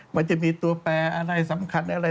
มันจะมีตัวแปรอะไรสำคัญอะไร